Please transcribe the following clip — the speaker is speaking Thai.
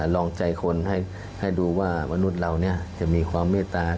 ลองใจคนให้ดูว่ามนุษย์เราจะมีความเมตตา